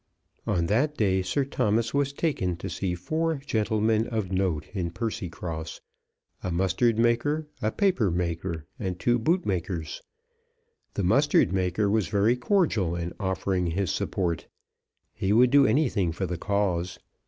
On that day Sir Thomas was taken to see four gentlemen of note in Percycross, a mustard maker, a paper maker, and two bootmakers. The mustard maker was very cordial in offering his support. He would do anything for the cause.